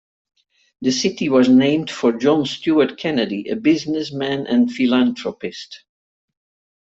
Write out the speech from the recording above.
The city was named for John Stewart Kennedy, a businessman and philanthropist.